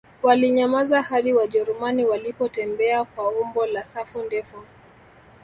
Walinyamaza hadi Wajerumani walipotembea kwa umbo la safu ndefu